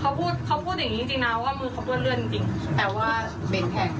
เขาพูดเขาพูดอย่างงี้จริงจริงนะว่ามือเขาเปื้อนเลือดจริงจริงแต่ว่าเบนแทง